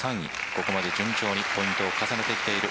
ここまで順調にポイントを重ねてきている